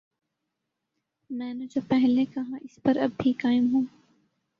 میں نے جو پہلے کہا ،اس پر اب بھی قائم ہوں